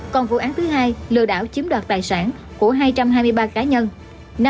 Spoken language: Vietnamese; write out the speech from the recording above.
còn vụ án thứ hai lừa đảo chiếm đoạt tài sản của hai trăm hai mươi ba cá nhân